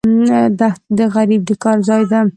دښته د غریب د کار ځای ده.